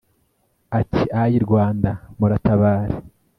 atiayi rwanda muratabare